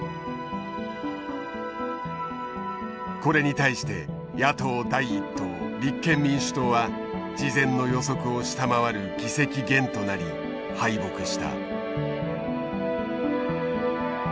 これに対して野党第一党立憲民主党は事前の予測を下回る議席減となり敗北した。